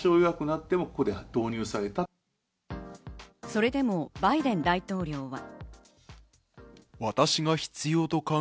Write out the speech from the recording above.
それでもバイデン大統領は。